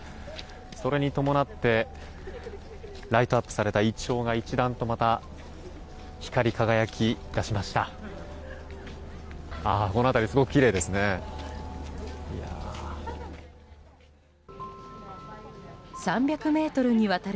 それに伴ってライトアップされたイチョウが一段とまた光り輝き出しました。